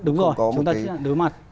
đúng rồi chúng ta chấp nhận đối mặt